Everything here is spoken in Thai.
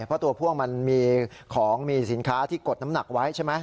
เพราะตัวพ่วงมันมีของมีสินค้าที่กดน้ำหนักไว้ใช่ไหม